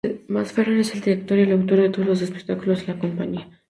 Masferrer es el director y el autor de todos los espectáculos de la compañía.